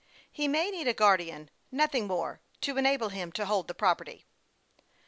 He may need a guardian, nothing more, to enable him to hold the property."